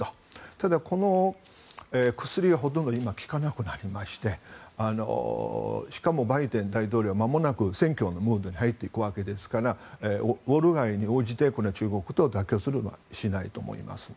ただ、この薬はほとんど今、効かなくなりましてしかもバイデン大統領まもなく選挙のモードに入っていくわけですからウォール街に応じて中国に妥協しないと思います。